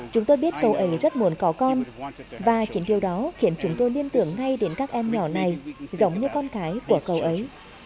chúng tôi biết cậu ấy rất muốn có con và chính điều đó khiến chúng tôi liên tưởng ngay đến các em nhỏ này giống như con cái của cậu ấy